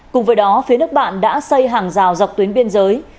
cùng với đó phía nước bạn đã xây hàng rào dọc tuyến biên giới